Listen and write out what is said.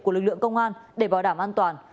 của lực lượng công an để bảo đảm an toàn